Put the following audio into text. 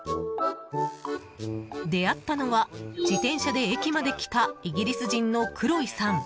出会ったのは自転車で駅まで来たイギリス人のクロイさん。